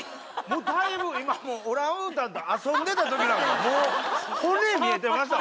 もうだいぶ今もうオランウータンと遊んでたときなんかもう。